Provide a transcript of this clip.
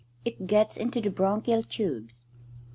"It gets into the bronchial tubes.